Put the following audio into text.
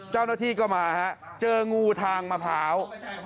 เจ้าหน้าที่ก็มาฮะเจองูทางมะพร้าว